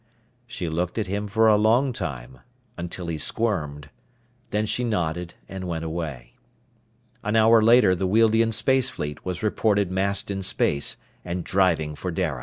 She looked at him for a long time, until he squirmed. Then she nodded and went away. An hour later the Wealdian space fleet was reported massed in space and driving for Dara.